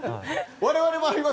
我々もあります。